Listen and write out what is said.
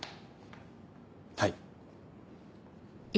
はい。